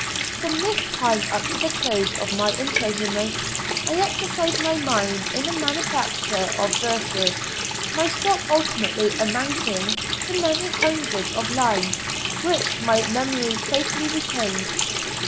From this time up to the close of my imprisonment I exercised my mind in the manufacture of verses, my stock ultimately amounting to many hundreds of lines, which my memory faithfully retained.